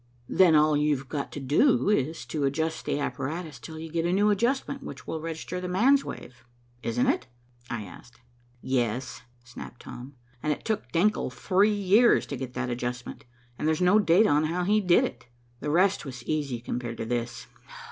"Then all you've got to do is to adjust the apparatus till you get a new adjustment which will register 'the man's' wave, isn't it?" I asked. "Yes," snapped Tom, "and it took Denckel three years to get that adjustment, and there's no data on how he did it. The rest was easy compared to this.